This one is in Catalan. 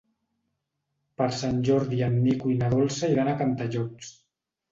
Per Sant Jordi en Nico i na Dolça iran a Cantallops.